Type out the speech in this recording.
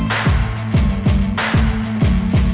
โฟงอะไรถึง